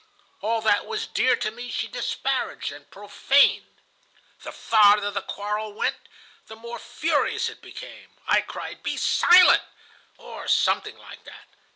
All that was dear to me she disparaged and profaned. The farther the quarrel went, the more furious it became. I cried, 'Be silent,' or something like that.